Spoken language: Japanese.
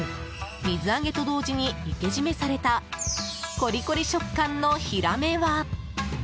水揚げと同時にいけ締めされたコリコリの食感のヒラメは。